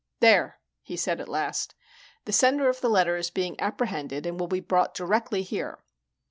"There!" he said at last. "The sender of the letter is being apprehended and will be brought directly here.